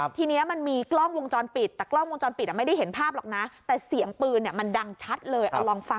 เสียงปืนเลยนะชัดเจนเลยค่ะ